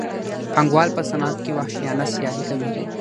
پانګوال په صنعت کې وحشیانه سیالي کوي